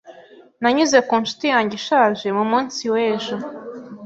Nanyuze ku ncuti yanjye ishaje mu munsi w'ejo.